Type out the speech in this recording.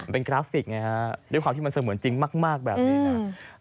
เป็นกราฟิกไงฮะด้วยความที่มันเสมือนจริงมากแบบนี้นะ